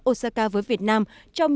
osaka với việt nam trong những cuộc hội kiến